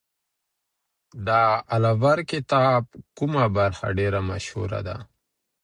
د العبر کتاب کومه برخه ډیره مشهوره ده؟